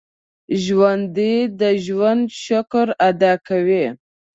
ژوندي د ژوند شکر ادا کوي